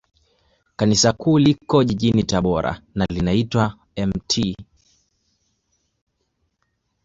Kanisa Kuu liko jijini Tabora, na linaitwa la Mt.